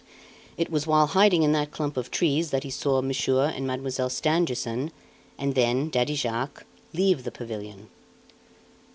It was while hiding in that clump of trees that he saw Monsieur and Mademoiselle Stangerson, and then Daddy Jacques, leave the pavilion.